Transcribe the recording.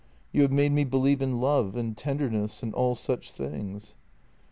You have made me believe in love and tenderness and all such things."